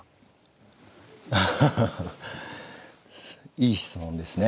いい質問ですね